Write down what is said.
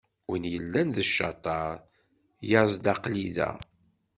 Win yellan d ccaṭer, yaẓ-d aql-i da.